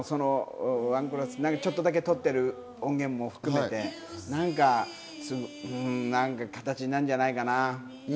ちょっとだけ録っている音源も含めて何か形になるんじゃないかな。